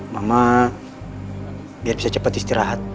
mama biar bisa cepat istirahat